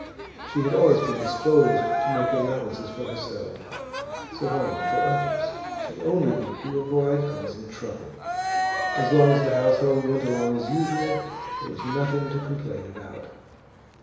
She had always been disposed to make allowances for herself, so why not for others? She only wanted to avoid causing trouble. As long as the household went along as usual, there was nothing to complain about.